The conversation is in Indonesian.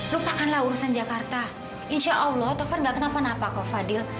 lupakanlah urusan jakarta insya allah taufan gak kena penapa kok fadhil